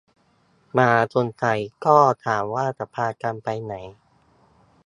หมาสงสัยก็ถามว่าจะพากันไปไหน